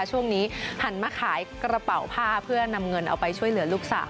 ช่วงนี้หันมาขายกระเป๋าผ้าเพื่อนำเงินเอาไปช่วยเหลือลูกสาว